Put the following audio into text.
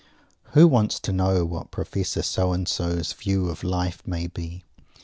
Who wants to know what Professor So and so's view of Life may be?